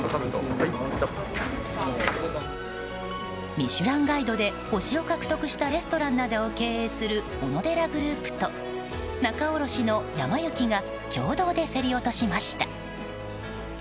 「ミシュランガイド」で星を獲得したレストランなどを経営するオノデラグループと仲卸の、やま幸が共同で競り落としました。